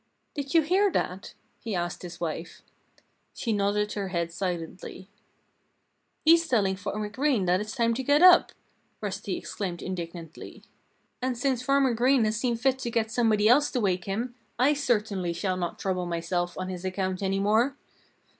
"Did you hear that?" he asked his wife. She nodded her head silently. "He's telling Farmer Green that it's time to get up!" Rusty exclaimed indignantly. "And since Farmer Green has seen fit to get somebody else to wake him, I certainly shall not trouble myself on his account any more."